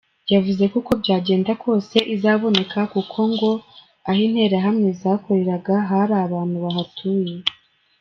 Yavuze ko uko byagenda kose izaboneka kuko ngo aho interahamwe zakoreraga hari abantu bahatuye.